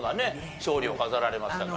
勝利を飾られましたから。